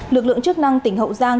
lực lượng chức năng tỉnh hậu giang